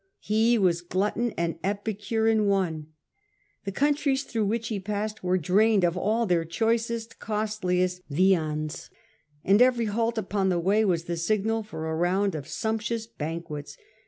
He was glutton and epi cure in one. The countries through which he passed were drained of all their choicest, costliest while vitei viands, and every halt upon the way was the Ing by^th? signal for a round of sumptuous banquets, way.